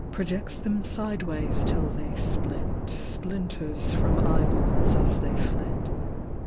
Projects them sideways till they split Splinters from eyeballs as they flit.